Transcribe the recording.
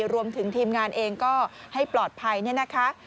รวมถึงทีมงานเองก็ให้ปลอดภัยเนี่ยนะคะ